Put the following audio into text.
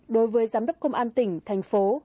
đối với giám đốc công an tỉnh thành phố